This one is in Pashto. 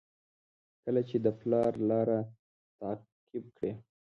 کله چې د پلار لاره تعقیب کړئ.